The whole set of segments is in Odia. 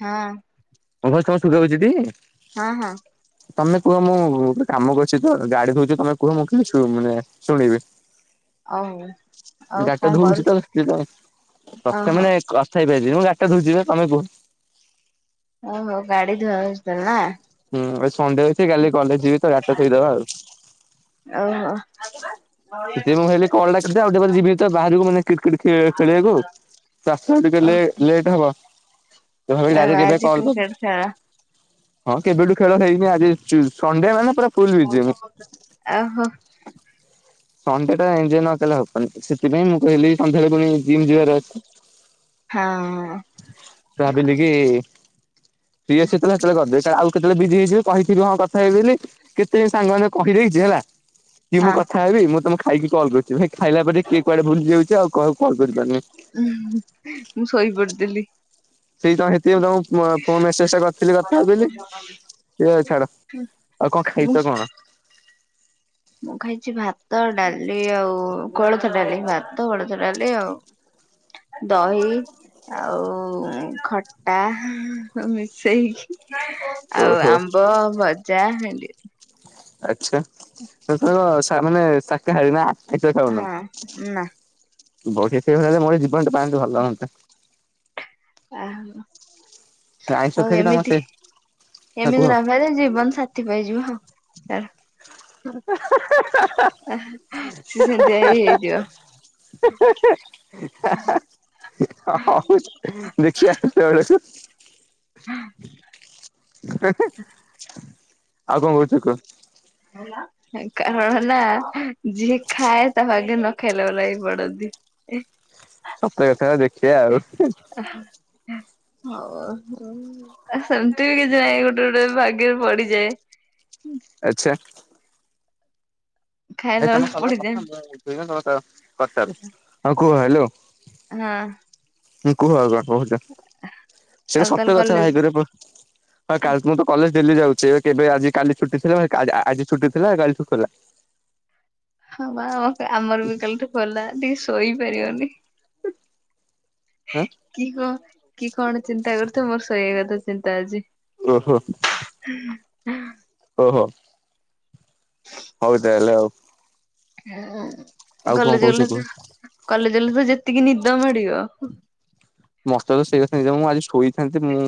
ହଁ, ହଁ ଭାଉଜ ତମକୁ ଶୁଭାଯାଉଚିଟି। ହଁ ହଁ, ତମେ କୁହ ମୁଁ ଗୋଟେ କାମ କରୁଛି ତ ଗାଡି ଧୋଉ ତମେ କୁହ ମୁଁ ଖାଲି ଛୁ ମାନେ ଶୁଣିବି। ଓଉ, ଗାଡିଟା ଧୋଉଛି ତ ସେଥି ପାଇଁ ଓହୋ ପ୍ରଥମେ କଥା ହେଇପାରିବି। ମୁଁ ଗଡିଟା ଧୋଇଛିିବା ତମେ କୁହ। ଓ ହୋ ଗାଡି ଧୁଆ ହଉଚି ତାହେଲେ ନାଁ? ହୁଁ ଆଜି ସଣ୍ଡେ ହେଇଚି କାଲି କଲେଜ ଯିବି ତ ଗାଡ଼ି ଟା ଧୋଇ ଦବା ଆଉ, ଆଜ କେ ବା [inaudible] ସେଥିପାଇଁ ମୁଁ କହିଲି କଲଟା ରଖିଥା ଆଉ ଟିକେ ପରେ ଯିବି ତ ବାହାରକୁ ମାନେ, କିଟ କିଟ ଖେଳିବାକୁ ପାଞ୍ଚ ମିନଟ ଓ କଲେ ଲେଟ୍ ହବ, ତ ଭାବିଲି ଆଉ ଡାଇରେକ୍ଟ କେବେ ଆଜି କଲ୍ କ୍ରିକେଟ କର। ଖେଳ ହଁ କେବେଠୁ ଖେଳ ହେଇନି ଆଜି ସଣ୍ଡେ ମାନେ ପୁରା, ଫୁଲ ବିଜି ମୁଁ। ଓହୋ। ସଣ୍ଡେଟା ଏଞଜୟ ନ କଲେ ହବନି ସେଥିପାଇଁ ମୁଁ କହିଲି ସନ୍ଧ୍ୟାରେ ପୁଣି, ଜିମ୍ ଯିବାର ଅଛି। ହଁ। ଭାବିଲି କି, ଫ୍ରି ଅଛି ସେଲେ ସେତେବେଳେ କରିଦେବି ଆଉ, କେତେଳେ ବିଜି ହେଇଯିବି କହି ହଁ କଥା ହେଇି ବୋଲି ସେ ସାଙ୍ଗମାନୋନ କହିଦେଇଛି ହେଲା। କି ମୁଁ ହଁ କଥା ହେବି ମୁଁ ତମ। ଖାଇକି କଲ୍ କରୁଚି ଖାଇବା ଟା ଦେଖିକି କୁଆଡେ ଭୁଲି ଯାଉଚୁ। ଆଉ କଲ୍ କରିପାରୁନି। ଉଁ ହୁଁ ମୁଁ ଶୋଇପଡି ଥିଲି। ସେଇ ତ ହେତି ପାଇଁ ତମ ନୁଆ ଫୋନ ମେସେଜ ଫିରି ରେ କଥା ହେବିବୋଲି। ଏ ଛାଡ ଆଉ କଣ ମୁଁ ଖାଇଛ କଣ? ମୁଁ ଖାଇଛି ଭାତ ଡାଲି ଆଉ କୋଳଥ ଡାଲି ଭାତ କୋଳଥ ଡାଲି ଆଉ ଦହି ଆଉ ଖଟା ମିଶେଇକି। ଆଉ ଓହୋ ଆମ୍ବ ଭଜା ଭେଣ୍ଡି ଆଛା ତୋର ମାନେ ଶାକାହାରାରୀ ନା? ହଁ ନାଁ। ବସି ସୋଇକି ଖାଇଲେ ମୋର ଜୀବନ ଟା ପାଆନ୍ତି ଭଲ ହୁଅନ୍ତା। ଓ ହୋ। ଆଇଁଷ ଆଉ ଖାଇକି ତମେ ଏମିତି ସେ ହଁ କୁହ ଏମିତି ନ ଜୀବନ ସାଥି ପାଇ ଯିବ ଆଉ। [inaudible] [inaudible] ସେ ସେମିତି ଆ ହେଇ ହେଇ ଯିବ। ହ ଦେଖିବା ସେବେଳକୁ। ହ [inaudible] ଆଉ କଣ କହୁଛ କୁହ? କାରଣ ନା ଯିଏ ଖାଏ ତାହା ଭାଗ୍ୟ ରେ ନଖାଇଲା ବାଲା ହିଁ ପଡନ୍ତି। ସତ କଥା ଦେଖିବା ଆଉ। ହଁ, ସେମିତି ବି କିଛି ନାହିଁ ଗୋଟେ ଗୋଟେ ଭାଗ୍ୟରେ ପଡିଯାଏ। ଆଚ୍ଛା। ଏଇ ଖାଇଲା ତମ ବେଳେ ଚାଲ ପଡିଯାଏ [unintelligible] କଟାରୁ ହଁ କୁହ ଭା ହାଲୋ। ହଁ। ହଁ କୁହ ଆଗ। କୁହନ୍ତୁ ସେଇଟା କାଲି ତାହେଲେ ସତ୍ୟ କଥା କଲେଜ ଭାଗ୳ରେ ହଁ କାହାକୁ ଗୋଟେ କଲେ ଦିଲ୍ଲୀ ଯାଉଛି କେବେ ଆଜି କାଲି ଛୁଟି ଥିଲା। ଆଜି ଛୁଟି ଥିଲା। କାଲି ଠୁ ଖୋଲା। ହଁ ଆମର ବି କାଲିଠୁ ଖୋଲା। ଡି ଶୋଇ ପାରିବନି। ହୁଁ। ହଁ କି କ କି କଣ ଚିନ୍ତା କରୁଛ ମୋର ଶୋଇବା କଥା? ଚିନ୍ତା ଅଛି। ଓହୋ [inaudible] ଓହୋ। ହଉ ତାହେଲେ ଆଉ। ହୁଁ ଉଁ। ଆଉ କଣ କଲେଜ କହୁଛ ଗଲେ କୁହ? ତ କଲେ ଜ ଗଲେ ତ ଯେତିକି ନିଦ ମାଡିବ। ମତେ ତ ସେଇ କଥା ହିଁ ଯୋଉ ମୁଁ ଆଜି ଶୋଇଥାନ୍ତି। ମୁଁ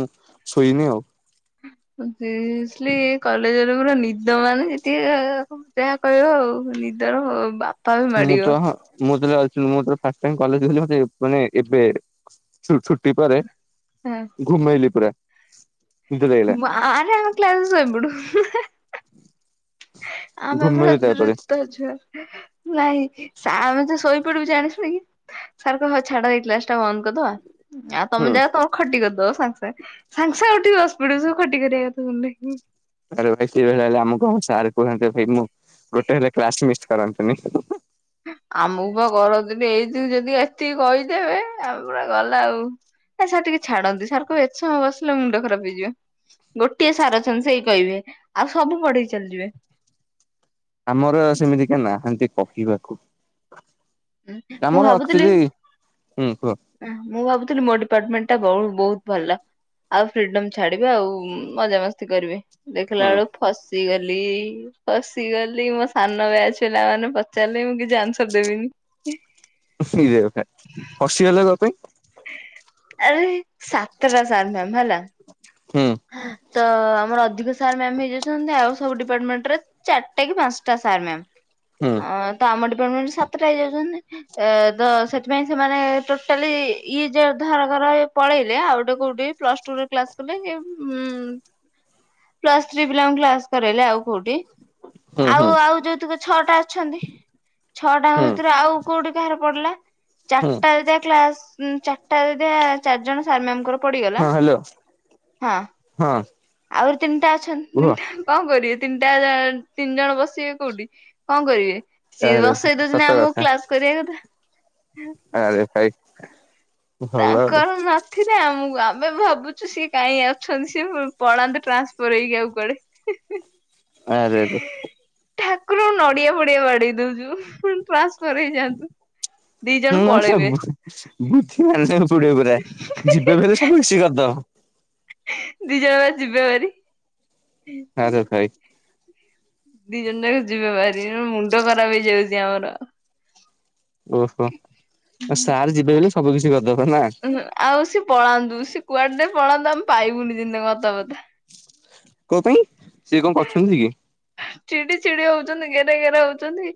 ଶୋଇନି ଆଉ। ସିରିଅସ୍ଲି କଲେଜରେ ପୁରା ନିଦ ମାନେ ଟିକେ ଯାହା କହିବ ଆଉ ନିଦର ବା ମୁଁ ତ ହଁ ମୁ। ତୁ ସେତେବେଳେ ଆସିନି ମୁଁ ଯେତେବେଳେ ଫାଷ୍ଟ ଟାଇମ କଲେଜ ଗଲି ମାନେ ଏବେ ଛୁଟି ପରେ। ଘୁମେଇଲି ପୁରା। ନିଦ ଲାଗିଲା ମାଆରେ ଆମେ କ୍ଲାସରେ ସୋଇପଡୁ।। [unintelligible] ଆମେ ପୁରା ଘୁମେଇଲି ତାପରେ ଦ୍ରୁତ ଛୁଆ। ନାଇଁ ସା ଆମେ ଯାଉ ଶୋଇପଡିବୁ ଜାଣି ଶୁଣି କି। ସାର୍ କହିବେ ହଉ ଛାଡ ଏଇକ୍ଲାସ ଟା ବନ୍ଦ କରିଦବା। ଆଉ ହୁଁ। ତମେ ଯାହା ତମର ଖଟି କରିଦବ ସାଙ୍ଗେସାଙ୍ଗେ। ସାଙ୍ଗେସାଙ୍ଗେ। ଉଠିକି ବସି ପଡ଼ିବୁ ସବୁ ଖଟି କରିବାକଥା ସୁଣିଦେଇକି। ଆରେ ଭାଇ ସେଇ ଭଲିଆ ହେଲେ ଆମକୁ ଆମ ସାର୍ କୁହନ୍ତେ ଭାଇ ମୁଁ। ଗୋଟେ ହେଲେ କ୍ଲାସ ମିଷ୍ଟ। କରନ୍ତିନିି। ଆମକୁ ବା କରନ୍ତିନି ଏଇ ଯୋଉ ଯଦି ଏତିକି କହିଦେବେ ଆମ ପୁରା ଗଲା ଆଉ। ଏ ସାର୍ ଟିକେ ଛାଡନ୍ତୁ ସାର୍ କହିବେ ଏତେ ସମୟ ବସିଲେ ମୁଣ୍ଡ ଖରାପ ହେଇଯିବ। ଗୋଟିଏ ସାର୍ ଅଛନ୍ତି ସେଇ କହିବେ ଆଉ ସବୁ ପଢେଇି ଚାଲିଯିବେ। ଆମର ସେମିତି କେଇ ନାହାନ୍ତି। କହିବାକୁ। ଉଁ ମୁଁ ଆମର ଭାବୁଥିଲି ଆକ୍ଚୁଆଲି ହୁଁ କୁହ ମୁଁ ଭାବୁଥିଲି ମୋ ଡିପଟମେଣ୍ଟ ଟା ବହୁତ ଭଲ ଆଉ ଫ୍ରିଡମ ଛାଡିବେ ଆଉ ମଜାମସ୍ତି କରିବେ। ଦେଖିଲା ହୁଁ ବେଳକୁ ଫସିଗଲି। ପସିଗଲି ମୋ ସାନ ବ୍ୟାଚ୍ ପିଲାମାନେ ପଚାରିଲେ ମୁଁ କିଛି ଆନ୍ସର ଦେବିନି। ଇରେ ଭାଇ ଫସି ଗଲ କଣ ପାଇଁ। ହ ଆରେ ସାତଟା ସାର ମ୍ୟାମ ହେଲା। ହୁଁ ତ ଆମର ଅଧିକ ସାର୍ ମ୍ୟାମ ହେଇଯାଉଛନ୍ତି ଆଉ। ଡିପାର୍ମେଣ୍ଟ ଚାରିଟା କି ପାଞ୍ଚଟା ସାର୍ ମ୍ୟାମ୍। ହୁଁ ହ ତ ଆମ ଡିପାର୍ଟମେଣ୍ଟ ସାତଟା ହେଇଯାଉଛନ୍ତି ଏ। ତ ସେଥିପାଇଁ ସେମାନେ ଟୋଟାଲି ଇଏ ଯା ଧାର ଧାର ପଳେଇଲେ ଆଉ ଗୋଟେ କୋଉଠି ପ୍ଲସ୍ ଟୁରେ କ୍ଲାସ୍ କଲେ। ଉଁ ପ୍ଲସ ଥ୍ରୀ ପିଲା ଙ୍କୁ କ୍ଲାସ କରାଇଲେ ଆଉ କୋଉଠି ହୁଁ ହୁଁ ଆଉ ଆଉ ଯୋଉତୁକ ଛଅଟା ଅଛନ୍ତି ଛଅଟାଙ୍କ ହୁଁ ଭିତରୁ ଆଉ କୋଉଠି କାହାର ପଡିଲା ହୁଁ ଚାରିଟା ଯଦି ଆଉ କ୍ଲାସ ଚାରିଟା ଯଦି ଚାରି ଜଣ ସାର୍ ମ୍ୟାମ ଙ୍କର। ହଁ ହାଲୋ। ହଁ ଆହୁରି ତିନିଟା ଅଛନ୍ତି କୁହ ତିନିଟା ଯାଙ୍କ କଣ କରିବେ। ତିନିଟା ଜା ତିନଜଣ ବସିବେ କୋଉଠି କଣ କରିବେ। ସିଏ ଆରେ ବସେଇଇ ସତ ଦୋଉଚନ୍ତି ଆମକୁ କଥା କ୍ଲାସ କରିବା କଥା। ଆରେ ଭାଇ। ଭଲ ଆଉ ତାଙ୍କର ନଥିଲେ ଆମକୁ ଆ ଆମେ ଭାବୁଚୁ ସିଏ କାଇଁ ଅଛନ୍ତି ସିଏ ପଳାନ୍ତେ ଟ୍ରାନ୍ସଫୋର ହେଇକି ଆଉ କୁଆଡେ। ଆରେରେ। ଠାକୁର ନଡିଆ ଫଡିଆ ବାଢେଇ ଦୋଉଚୁ ଫୁଣି କ୍ଲାସ ହୁଁ ମାନେ ସିଏ ପଳେଇବେ ବୁ ମାନେ ବୁଦ୍ଧି ମାନତେ କୁ ପଡିବ ପୁରା ଯିବେ ବିଲେ ସବୁ କିଛି କରିଦବ। ଦି ଜଣଯାଙ୍କ ଜିବେଭାରି। ଛାଡ ଖାଇ ଦି ଜଣ ନାକ ଯିବେଭାରି ଏ ମୁଣ୍ଡ ଖରାପ ହେଇଯାଉଚି ଆମର। ଓହୋ ଆଉ ସାର୍ ଯିବେ ବୋଲି ସବୁ କିଛି କ ଏ ନା ଆଉ ସେ ପଳାନ୍ତୁ ସେ କୁଆଡେ ପଳାନ୍ତୁ ଆମେ ପାଇବୁନି ଯେମିତି ତାଙ୍କ ଅତାପତା। କ ପାଇଁ ସିଏ କଣ କରଚନ୍ତି କି? ଚିଡି ଚିଡି ହୋଉଚନ୍ତି। ଗେରେ ଗେରେ ହୋଉଚନ୍ତି।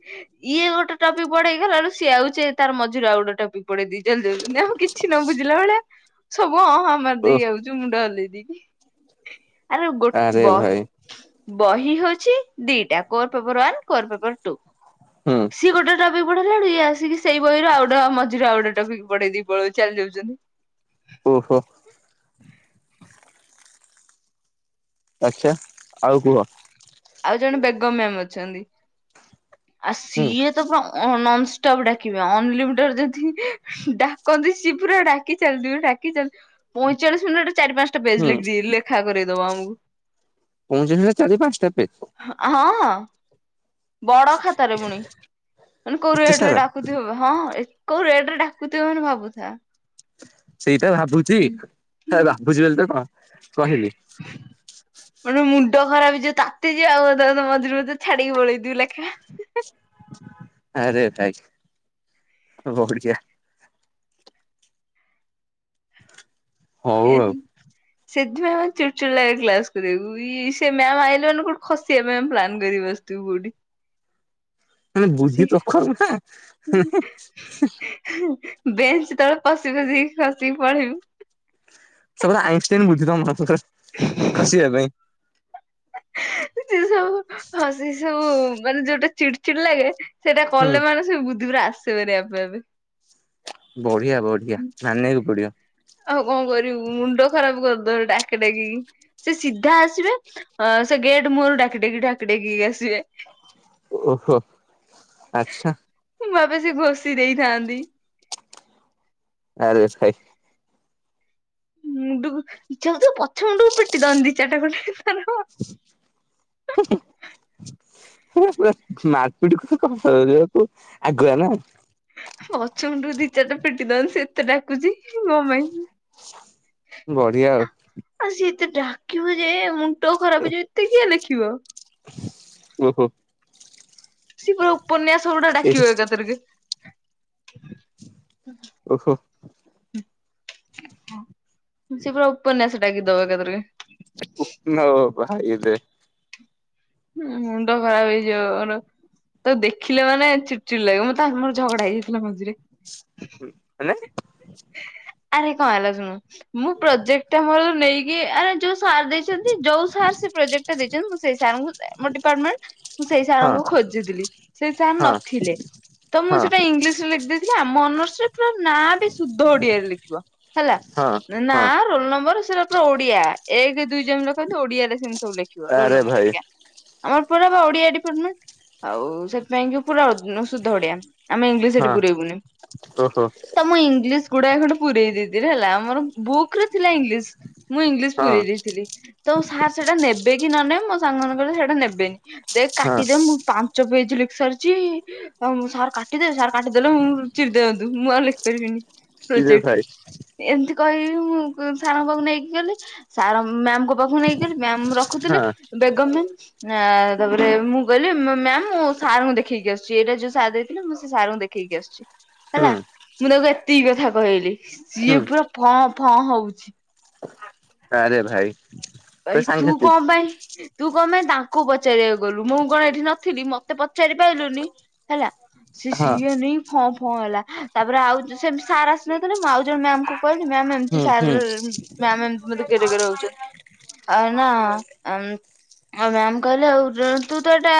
ଇଏ ଗୋଟେ ଟପିକ ପଢେଇକି ଗଲାବେଳୁ ସିଏ ଆଉଚି ଏ ତାର ମଝିରୁ ଆଉ ଗୋଟେ ଟପିକ ପଢେଇ ଦେଇ ଚାଲିଯାଉଚନ୍ତି ଆମେ କିଛି ନ ବୁଝିଲା ଭଳିଆ ସ ବୁ ହଁ ହାଁ ଓ ମାରିଦେଇକି ଆଉଚୁ ମୁଁଣ୍ଡ ହଲେଇ ଦେଇକି। ଆରେ ଗୋ ବହି ବହି ବି ହୋଉଚି। ଦିଇଟା core paper one core paper two. ହୁଁ ସିଏ ଗୋଟେଟା ବି ପ ହେଲାଡୁ ଆସିକି ସେଇ ବହିରୁ ଆଉ ଗଟେ ମଝିରେ ଆଉଗୋଟେ ଟୋପିକ ପଡେଇ ଦେଇ ଚାଲି ଯାଉଛନ୍ତି ଓହୋ ଆଚ୍ଚ୍ଚ ଆଉ କୁହ ଆଉ ଜଣେ ବେଗମ ମ୍ୟାମ ଅଛନ୍ତି ଆଉ ହୁଁ ସିଏ ତ ପୁରା ଅନ ୍ ଡାକିବେ ଅନଲିମିଟେଡ ଯଦି ଡାକନ୍ତି ସେ ପୁରା ଡାକି ଚାଲିଥିବେ ଡାକିଚାଲିଥିବା ପଇଁଚାଳିଶ ମିନିଟ ଚାରି ପାଞ୍ଚଟା ହୁଁ ପେଜ ଲେଖି ଲେଖାରେ ଦବାଙ୍ଗୁ ପହଞ୍ଚଥିଲେ ଚାରି ପାଞ୍ଚଟା ପେଜ ହଁ। ଅଁ। ବଡ ଖାତାରେ ପୁଣି, ମାନେ କୋଉ ଏତେ ରେଟ ରେ ସାରା ଡାକୁଥିବ ହଁ କୋଉ ରେଟ ରେ ଡାକୁଥିବ ମାନେ ଭାବୁଥା। ସେଇଟା ଭାବୁଛି! ଭାବୁଛି ବୋଲି ତ କଁ? ରହିଲି। ମାନେ ମୁଣ୍ଡ ଖରାପ ହେଇଯିବ ତାତି ଯିଆଉ ତ ତ ମଝିରେ ମଝିରେ ଛାଡିକି ପଳେଇ ଦି ଲେଖା। ଆରେ ତାଇ ବଢ଼ିଆ। ହଉ ଆଉ। ସେଥିପାଇଁ ଆମେ ଚିଡ଼୍ ଚିଡ଼୍ ଲାଗେ କ୍ଲାସ କରିବାକୁ ଇ ସେ ମ୍ୟାମ ଆଇଲା ମାନେ କୋଉଠି ଖସିବା ପାଇ ଆମେ ପ୍ଲାନ କରି ବସିଥିବୁ କୋଉଠି? ମାନେ ବୁଦ୍ଧି ପ୍ରଖର ନା! ହେଁ ହେଁ ହେ। ବେଞ୍ଚ ତଳେ ପଶି ପଶି ଖସିକି ପଳେଇବୁ। ସବୁର ଆଇନଷ୍ଟାଇନ ବୁଦ୍ଧି [unintelligible] ଖସିବା ପାଇଁ। ଯ ସବୁ ହ ସେ ସବୁ ମାନେ ଯୋଉଟା ଚିଡ଼ ଚିଲ୍ ଲାଗେ ସେଇଟା ହୁଁ କଲେ ମାନେ ସେ ବୁଧୁରାସ୍। [unintelligible] ଆପେଆପେ ବଢ଼ିଆ ବଢ଼ିଆ ମାନିବାକୁ ପଡିବ। ଆଉ କଣ କରିବୁ ମୁଣ୍ଡ ଖରାପ କରିଦେବେ, ଡାକି ଡାକିକି ସେ ସିଧା ଆସିବେ ସେ ଗେଟ୍ ମୁହଁରୁ ଡାକି ଡାକି ଡାକି ଡାକିକି ଆସିବେ। ଓହୋ ଆଚ୍ଛା। ମୁଁ ଭାବେ ସେ ଘଷି ଦେଇଥାନ୍ତି। ଆର ଏସ୍ [unintelligible] ମୁଣ୍ଡ କୁ ଇଛା ହଉଥିବ, ପଛ ମୁଣ୍ଡକୁ ପିଟିଦଅନ୍ତି ଦି ଚାରିଟା ଖଣ୍ଡେ ତାର। ହୁଁ ହୁଁ ତମେ ପୁରା ମାରପିଟ କରିବାକୁ ଆଗୁଆ ନା। ପଛମୁଣ୍ଡକୁ ଦି ଚାରିଟା ପିଟି ଦନ୍, ସେ ଏତେ ଡାକୁଛି ମୋ ପାଇଁ। ବଢିଆ ଆଉ। ତେ ଡାକିବୁ ଯେ ମୁଁ ଣ୍ଡ ଖରାପ ହେଇଯିବ, ଏତେ କିଏ ଲେଖିବ? ଓହୋ! ସିଏ ପୁରା ଉପ୍ ଉପନ୍ୟାସ ଗୁଡା ଏଇଠି ଡାକିିବେ ଏକା ଥରକେ। ଓହୋ! ସେ ପୁରା ଉପନ୍ୟାସ ଡାକିଦବ ଏକାଥରକେ। ନ ଭାଇରେ! ହୁଁ ମୁଣ୍ଡ ଖରାପ ହେଇଯିବ ମୋର। ତାକୁ ଦେଖିଲେ ମାନେ ଚିଡି ଚିଡି ଲାଗିବ ମତାଙ୍କ ମୋର ଝଗଡା ହେଇଯାଇଥିଲା ମଝିରେ। ହୁଁ ମାନେ? ଆରେ କଣ ହେଲା ଶୁଣୁ ମୁଁ ପ୍ରୋଜେକ୍ଟ ଟା ମୋର ନେଇକି ଆରେ ଯୋଉ ସାର୍ ଦେଇଛନ୍ତି ଯୋଉ ସାର ସେ ପ୍ରୋଜେକ୍ଟା ଦେଇଛନ୍ତି ମୁଁ ସେଇ ସାର ଙ୍କୁ ଆମ ଡିପାଟମେଣ୍ଟ ମୁଁ ସେଇ ସାର ହଁ ଙ୍କୁ ଖୋଜିଥିଲି ସେଇ ସାର୍ ହଁ ନଥିଲେ ତ ମୁଁ ହଁ ସେଟା ଇଂଲିଶ ରେ ଲେଖିଦେଇଥିଲି ଆମ [unintelligible] ନାଁ ବି ଶୁଦ୍ଧ ଓଡିଆରେ ଲେଖିବ ହେଲା ହଁ ନା ହଁ ରୋଲ ନମ୍ବର ପୁରା ଓଡିଆ ଏକ ଦୁଇ ଜଣ ଲେଖନ୍ତ ଓଡିଆରେ ସେମିତି ଲେଖିବ ରୋଲ ଆରେ ନମ୍ବର ଭାଇ ହେରିକା। ଆମର ପୁରା ପା ଓଡିଆ ଡିପାର୍ଟମେଣ୍ଟ ଆଉ ସେଥିପାଇଁ କି ପୁରା ନୋ ସୁଧ ଓଡିଆ ଆମେ ଇଂଲିଶି ସେଠି ହଁ ପୁରେଇବୁନି ଓହୋ ତମ ଇଂଲିଶି ଗୁଡ଼ାଏ ଖଣ୍ଡେ ପୁରେଇ ଦେଇଥିଲ ହେଲା ଆମର ବୁକ୍ ରେ ଥିଲା ଇଂଲିଶି ମୁଁ ଇଂଲିଶି ହଁ ପୁରରେଇ ଦେଇଥିଲି ତ ସାର୍ ସେଟା ନେବେକି କି ନ ନେବେ ମୋ ସାଙ୍ଗ ମାନେ [unintelligible] ନେବେ ନି ଦେ ହଁ କାଟିଦିଏ ମୁଁ ପାଞ୍ଚ ପେଜ ଲେ ସରିଚି ଆଉ ମୁଁ ସାର କାଟିଦେବେ ସାର କାଟି ଦେଲେ ମୁଁ ଚିରିଦିଅନ୍ତୁ। ମୁଁ ଆଉ ଲେଖି ପରିବିନି। କିରେ ପ୍ରୋଜେକ୍ଟ ଭାଇ ଏନ୍ତି କହିବି ମୁଁ ସାରଙ୍କ ପାଖକୁ ନେଇକି ଗଲି ସାର ମ୍ୟାମ୍ କୁ ଫ ନେଇକରି ଗଲି ମ୍ୟାମ୍ ରଖୁଥିଲେ ହଁ ବେଗମ୍ ମ୍ୟାମ ଆ ତାପରେ ମୁଁ ଗଲି ମ୍ୟାମ୍ ମୁଁ ସାରଙ୍କୁ ଦେଖେଇକି ଆସୁଛି ଏଇଟା ଯୋଉ ସାର୍ ଦେଇଥିଲେ ମୁଁ ସେ ସାରଙ୍କୁ ଦେଖେଇକି ଆସୁଛି। ହୁଁ ହେଲା ମୁଁ ତାକୁ ଏ ଏତିକି କଥା କହିଲି। ସିଏ ହୁଁ ପୁରା ଫ ହଁ ହଉଛି। ଆରେ ଭାଇ। ଭାଇ ତ ତୁ କଣ ସାଂଘାତିକ ପାଇଁ ତୁ ତୁ କଣ ପାଇଁ ତାଙ୍କୁ ପଚାରିବାକୁ ଗଲୁ ମୁଁ କଣ ଏଠି ନଥିଲି ମତେ ପଚାରି ପାରିଲୁନି ହେଲା। ହଁ [unintelligible] ହଁ ହେଲା ତାପରେ ଆଉ ସେ ସାର୍ ଆସିନଥିଲେ ମୁଁ ଆଉ ଜଣେ ମ୍ୟାାମ କୁ କହିଲି ମ୍ୟାମ୍ ହୁଁ ଏମିତି ହୁଁ ସାର ମ୍ୟାମ ଏମିତି ମ ରେ ରହୁଛ। ଆ ନା ମ୍ୟାମ କହିଲେ ଆଉ ତୁ ତ ଏଇଟା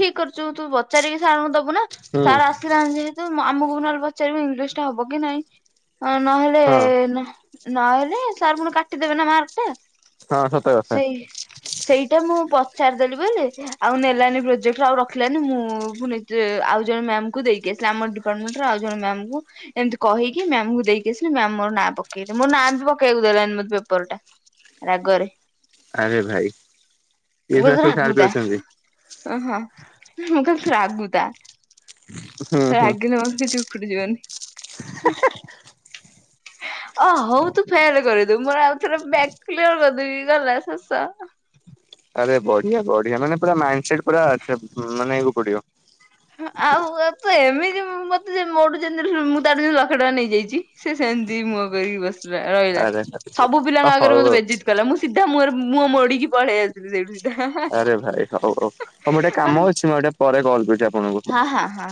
ଠିକ କରିଛୁ ତୁ ପଚାରିକି ସାରଙ୍କୁ ଦବୁ। ଦବୁ ନା ହୁଁ ସାର୍ ଆସିନାହାନ୍ତି। ଆମକୁ ବି ନହେଲେ ପଚାରିବେ ଇଂଲିଶ ଟା ହବ କି ନାଇଁ? ଅ ନହେଲେ ହଁ ହଁ ନ ନହେଲେ ସାର୍ ପୁଣି କାଟି ଦେବେ ନା ମାର୍କ ଟା। ହଁ ସତ କଥା। ସେଇ ସେଇଟା ମୁଁ ପଚାରିଦେଲି ବୋଲି ଆଉ ନେଲାନି ପ୍ରୋଜେକ୍ଟ ଆଉ ରଖିଲାନି ମୁଁ ପୁଣି ନିଜେ ଆଉ ଜଣେ ମ୍ୟାମ କୁ ଦେଇକି ଆସିଲି ଆମ ଡିପାର୍ଟମେଣ୍ଟର ଆଉ ଜଣେ ମ୍ୟାମ କୁ ଏମତି କହିକି ମ୍ୟାମକୁ ଦେଇକି ଆସିଲି ମ୍ୟାମ ମୋର ନାଁ ପକେଇଲେ ମୋ ନାଁ ବି ପକେଇବାକୁ ଦେଲାନି ମତେ ପେପର ଟା। ଘରେ ଆରେ ଭାଇ ଏ ଭଳିଆ ମୁଁ ବି କହିଲି ସବୁ ସାର୍ ବି ରାଗୁତା ଅଛନ୍ତି। ଓହଁ ମୁଁ କ ରାଗୁତା ହୁଁ ହୁଁ ରାଗିଲେ ମୋର କିଛି ଅ ହଉ ତୁ ଫେଲ୍ କରିଦବୁ ମୋର ଆଉ ଥରେ ବ୍ୟାକ୍ କ୍ଲିୟର କରିଦ ଦୁଇ ଗଲା ଶେଷ। ଆରେ ବଢିଆ ବଢିଆ ମାନେ ପୁରା ମାଇଣ୍ଡ ସେଟ୍ ପୁରା ମାନିବାକୁ ପଡ଼ିବ। ଆଉ ତ ଏମିତି ମତେ ମୋଠୁ ଯେମିତି ମୁଁ ତାଠୁ ଯେମିତି ଲକ୍ଷେ ଟଙ୍କା ନେଇଯାଇଛି ସେ ସେମିତି ମୁହଁ କରିକି ବସିଛି। ରହିଲା ଆରେ ସବୁ ପିଲାଙ୍କ ଆଗରେ ହଉ ମୋତେ ହଉ। ବେଜୀତ କଲା ମୁଁ ସି ମୋର ମୁଁ ମୁଁହ ମୋଡ଼ିକି ପଳେଇ ଆସିଲି ସେଇଠୁ ସିଧା। ଆରେ ଭାଇ ହଉ ହଉ ହଉ ମୁଁ ଗୋଟେ ମାନେ କାମ ଅଛି ମୁଁ ଗୋଟେ ପରେ କଲ୍ କରିବି ଆପ ହଁ ହଁ ହଁ।